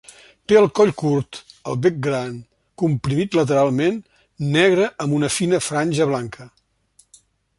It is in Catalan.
Té el Coll curt, el bec gran, comprimit lateralment, negre amb una fina franja blanca.